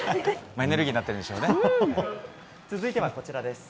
エネルギーになってるんでしょうね。